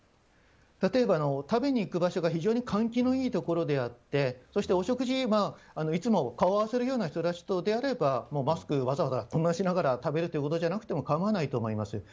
例えば、食べに行く場所が非常に換気のいいところであってお食事いつも顔を合わせる人たちとであればマスク、わざわざしながら食べることでなくても構わないと思います。